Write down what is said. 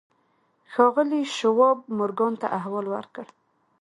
ښاغلي شواب مورګان ته احوال ورکړ.